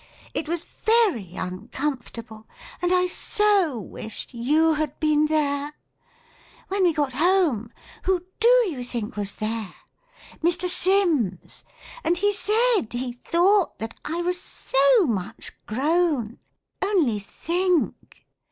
It was very uncomfortable and I so wished you had been there. When m we got home who do you think was there ? Mr. Sims ; and he said he thought that I was so \\i\\(j\\ grown. Only think.